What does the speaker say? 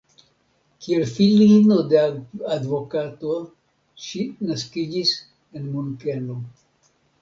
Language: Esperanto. Kiel filino de advokato ŝi naskiĝis en Munkeno.